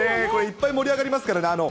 これ、いっぱい盛り上がりますから。